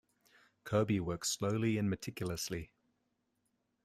Kirby worked slowly and meticulously.